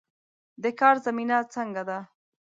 د کار زمینه څنګه ده؟